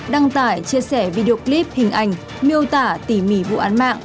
đăng tải chia sẻ video clip hình ảnh miêu tả tỉ mỉ vụ án mạng